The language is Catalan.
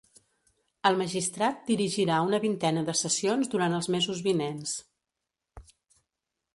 El magistrat dirigirà una vintena de sessions durant els mesos vinents.